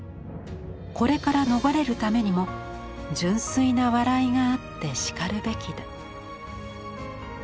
これから逃れるためにも純粋な笑いがあってしかるべきだ」。